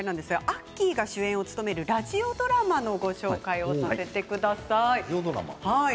アッキーが主演を務めるラジオドラマのご紹介をさせてください。